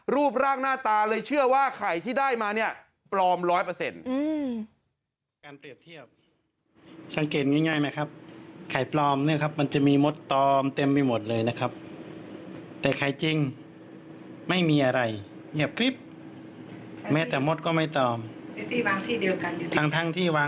รูปร่างหน้าตาเลยเชื่อว่าไข่ที่ได้มาเนี่ยปลอมร้อยเปอร์เซ็นต์